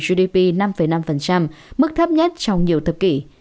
gdp năm năm mức thấp nhất trong nhiều thập kỷ